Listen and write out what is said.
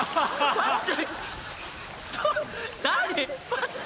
待って。